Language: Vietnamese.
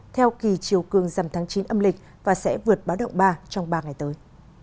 theo kỳ chiều cường dầm tháng chín âm lịch và sẽ vượt báo động ba trong ba ngày tới